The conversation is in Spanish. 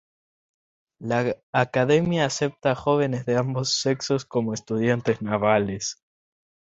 La academia acepta jóvenes de ambos sexos como estudiantes navales.